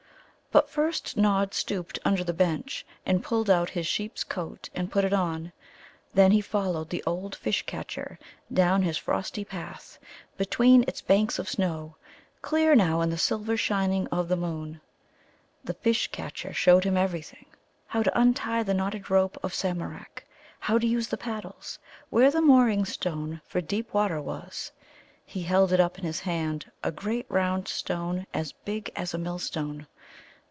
But first Nod stooped under the bench, and pulled out his sheep's coat and put it on. Then he followed the old Fish catcher down his frosty path between its banks of snow, clear now in the silver shining of the moon. The Fish catcher showed him everything how to untie the knotted rope of Samarak, how to use the paddles, where the mooring stone for deep water was. He held it up in his hand, a great round stone as big as a millstone.